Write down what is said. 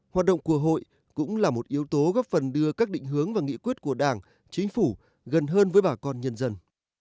hoạt động của hội cũng là một yếu tố góp phần đưa các định hướng và nghị quyết của đảng chính phủ gần hơn với bà con nhân dân